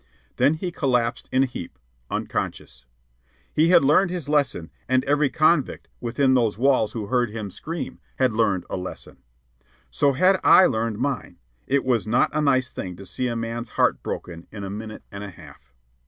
Then he collapsed in a heap, unconscious. He had learned his lesson, and every convict within those walls who heard him scream had learned a lesson. So had I learned mine. It is not a nice thing to see a man's heart broken in a minute and a half.